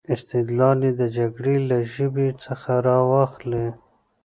استدلال یې د جګړې له ژبې څخه را واخلي.